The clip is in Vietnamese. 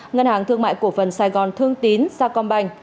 ngân hàng thương mại cổ phần sài gòn thương tín sa com banh